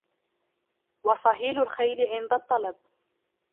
و صهيل الخيل عند الطلب